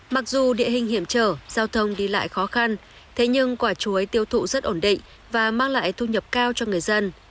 mặc dù địa hình hiểm trở giao thông đi lại khó khăn thế nhưng quả chuối tiêu thụ rất ổn định và mang lại thu nhập cao cho người dân